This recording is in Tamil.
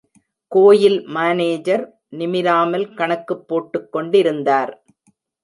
கோயில் மானேஜர் நிமிராமல் கணக்குப் போட்டுக் கொண்டிருந்தார்.